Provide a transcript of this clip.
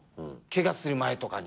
ケガする前とかに。